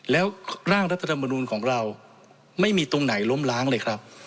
แล้วร่างรัฐธรรมนูลของเราไม่มีตรงไหนล้มล้างเลยครับ